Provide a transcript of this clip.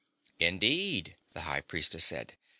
"Indeed," the High Priestess said.